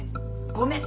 ごめん。